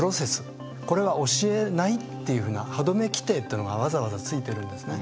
これは教えないっていうふうなはどめ規定っていうのがわざわざついてるんですね。